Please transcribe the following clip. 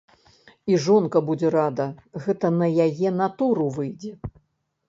І жонка будзе рада, гэта на яе натуру выйдзе.